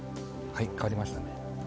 はい、変わりましたね。